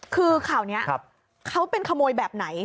คือข่าวนี้เขาเป็นขโมยแบบไหน